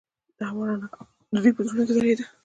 د هوا رڼا هم د دوی په زړونو کې ځلېده.